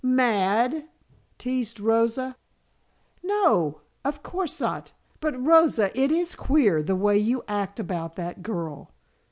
"Mad?" teased Rosa. "No, of course not. But Rosa, it is queer, the way you act about that girl."